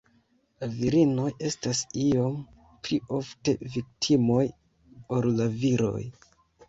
La virinoj estas iom pli ofte viktimoj ol la viroj.